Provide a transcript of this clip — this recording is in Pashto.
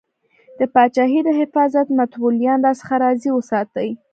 د پاچاهۍ د حفاظت متولیان راڅخه راضي وساتې.